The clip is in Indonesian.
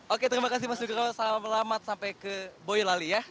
oke terima kasih mas nugro selamat sampai ke boyolali ya